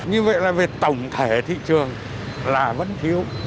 như vậy là về tổng thể thị trường là vẫn thiếu